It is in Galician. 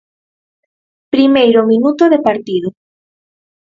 Primeiro minuto de partido.